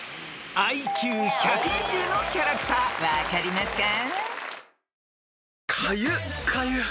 ［ＩＱ１２０のキャラクター分かりますか？］